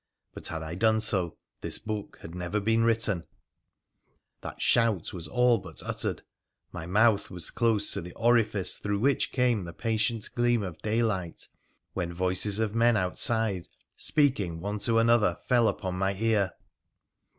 But had I done so this book had never been written ! That shout was all but uttered — my mouth was close to the orifice through which came the pleasant gleam of daylight, when voices of men outside speaking one to another fell upon my ear.